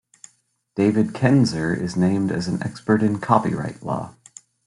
David Kenzer is named as an expert in copyright law.